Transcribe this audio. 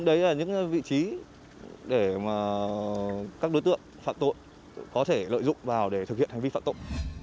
đấy là những vị trí để mà các đối tượng phạm tội có thể lợi dụng vào để thực hiện hành vi phạm tội